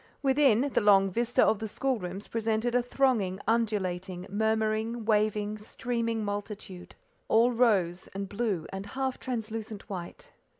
Within, the long vista of the school rooms presented a thronging, undulating, murmuring, waving, streaming multitude, all rose, and blue, and half translucent white.